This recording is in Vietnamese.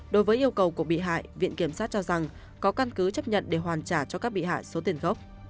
đối với yêu cầu của bị hại viện kiểm sát cho rằng có căn cứ chấp nhận để hoàn trả cho các bị hại số tiền gốc